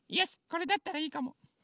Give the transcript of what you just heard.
これだったらいいかも。